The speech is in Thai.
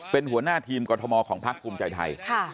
เป็นหัวหน้าทีมกรทมของพักภูมิใจไทย